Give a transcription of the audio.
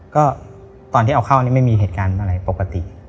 ก็เอาเข้าไม่มีเหตุการณ์อะไรปกติ